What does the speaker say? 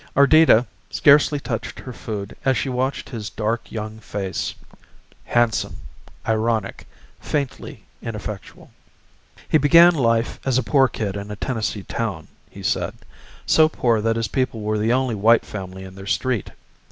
Ardita scarcely touched her food as she watched his dark young face handsome, ironic faintly ineffectual. He began life as a poor kid in a Tennessee town, he said, so poor that his people were the only white family in their street.